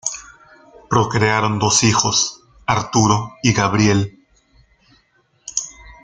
Procrearon dos hijos, Arturo y Gabriel.